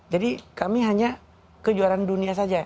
jadi kami hanya kejuaraan dunia saja